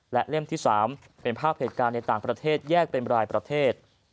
และเล่มที่๓เป็นภาพเหตุการณ์ในต่างประเทศแยกเป็นรายประเทศ